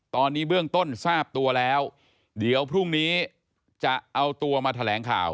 ตอนนี้เบื้องต้นทราบตัวแล้วเดี๋ยวพรุ่งนี้จะเอาตัวมาแถลงข่าว